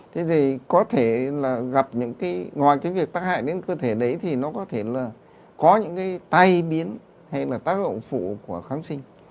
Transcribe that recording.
thế thì có thể là gặp những cái ngoài cái việc tác hại đến cơ thể đấy thì nó có thể là có những cái tay biến hay là tác động phụ của kháng sinh